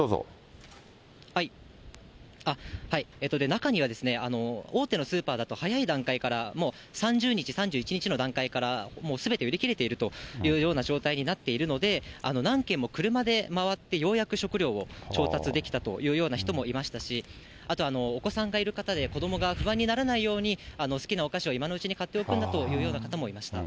中には、大手のスーパーだと早い段階から、もう３０日、３１日の段階から、すべて売り切れているというような状態になっているので、何軒も車で回ってようやく食料を調達できたというような人もいましたし、あと、お子さんがいる方で、子どもが不安にならないように、好きなお菓子を今のうちに買っておくんだというような方もいました。